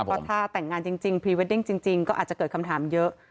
เพราะถ้าแต่งงานจริงพรีเวดดิ้งจริงก็อาจจะเกิดคำถามเยอะ